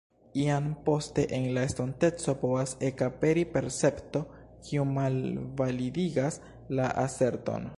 Iam poste en la estonteco povas ekaperi percepto, kiu malvalidigas la aserton.